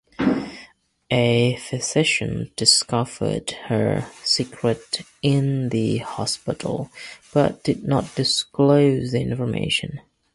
A physician discovered her secret in the hospital, but did not disclose the information.